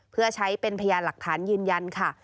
เพื่อใช้เป็นพยานหลักฐานยืนยันค่ะ